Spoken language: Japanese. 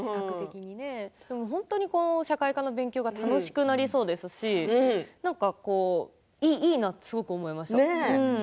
本当に社会科の勉強が楽しくなりそうですしいいなってすごく思いました。